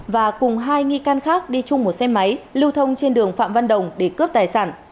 và cùng hai nghi can khác đi chung một xe máy lưu thông trên đường phạm văn đồng để cướp tài sản